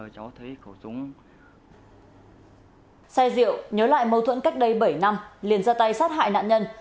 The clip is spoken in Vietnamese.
xe rượu nhớ lại mâu thuẫn cách đây bảy năm liền ra tay sát hại nạn nhân